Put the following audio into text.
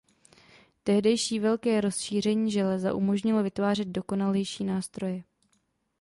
Tehdejší velké rozšíření železa umožnilo vytvářet dokonalejší nástroje.